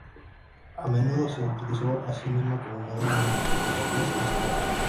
A menudo se utilizó a sí misma como modelo, mediante fotografías y espejos.